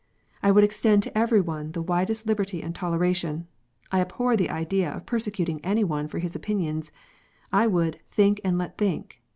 I would extend to every one the widest liberty and toleration. I abhor the idea of persecuting any one for his opinions. I would " think and let think."